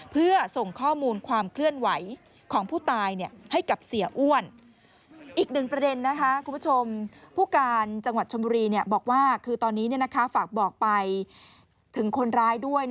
ผู้การจังหวัดเชิญบุรีบอกว่าคือตอนนี้ฝากบอกไปถึงคนร้ายด้วย